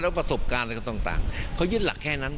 ประสบการณ์อะไรต่างเขายึดหลักแค่นั้น